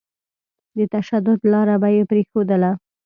د تشدد لاره به يې پرېښودله.